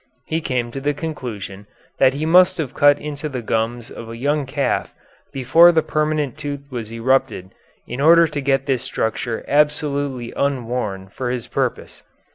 He came to the conclusion that he must have cut into the gums of a young calf before the permanent tooth was erupted in order to get this structure absolutely unworn for his purpose.